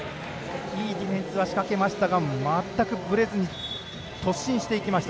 いいディフェンスは仕掛けましたが全くぶれずに突進していきました。